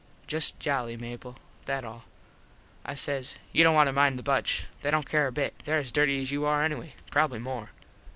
Just jolly, Mable, that all. I says, "You dont want to mind the bunch. They dont care a bit. There as dirty as you are anyway. Probably more."